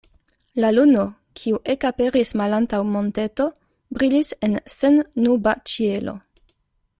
La luno, kiu ekaperis malantaŭ monteto, brilis en sennuba ĉielo.